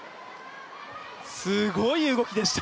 すごい動きでした。